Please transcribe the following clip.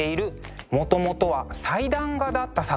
もともとは祭壇画だった作品です。